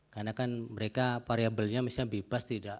karena kan mereka variabelnya misalnya bebas tidak